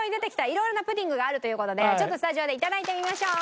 色々なプディングあるという事でちょっとスタジオで頂いてみましょう。